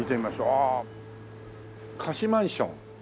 ああ「貸マンション」。